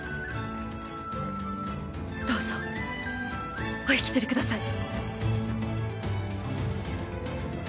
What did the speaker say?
どうぞお引き取りください。